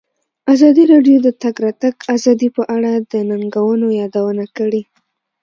ازادي راډیو د د تګ راتګ ازادي په اړه د ننګونو یادونه کړې.